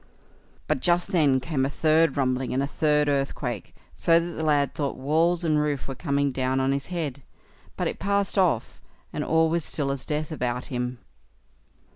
But just then came a third rumbling, and a third earthquake, so that the lad thought walls and roof were coming down on his head; but it passed off, and all was still as death about him.